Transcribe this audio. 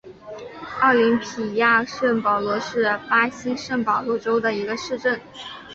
奥林匹亚圣保罗是巴西圣保罗州的一个市镇。